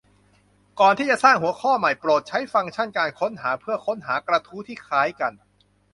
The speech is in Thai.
ก่อนที่จะสร้างหัวข้อใหม่โปรดใช้ฟังก์ชั่นการค้นหาเพื่อค้นหากระทู้ที่คล้ายกัน